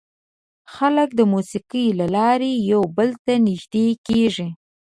خلک د موسیقۍ له لارې یو بل ته نږدې کېږي.